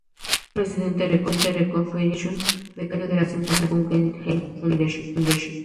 Ha sido residente de la Rockefeller Foundation y becario de la Simon Guggenheim Foundation.